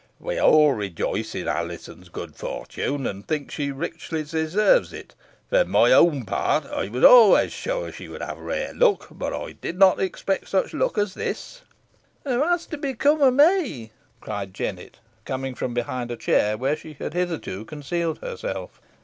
"We all rejoice in Alizon's good fortune, and think she richly deserves it. For my own part, I was always sure she would have rare luck, but I did not expect such luck as this." "What's to become o' me?" cried Jennet, coming from behind a chair, where she had hitherto concealed herself.